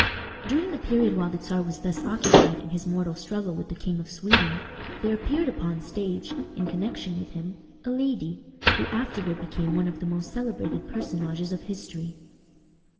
During the period while the Czar was thus occupied in his mortal struggle with the King of Sweden, there appeared upon the stage, in connection with him, a lady, who afterward became one of the most celebrated personages of history.